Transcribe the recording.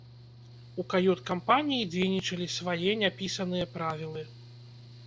У кают-кампаніі дзейнічалі свае няпісаныя правілы.